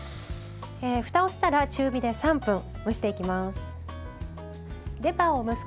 ふたをしたら中火で３分蒸していきます。